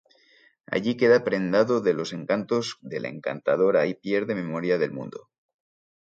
Allí queda prendado de los encantos de la encantadora y pierde memoria del mundo.